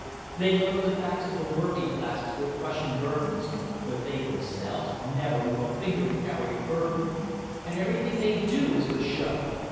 They load the backs of the working classes with crushing burdens, but they themselves never move a finger to carry a burden, and everything they do is for show.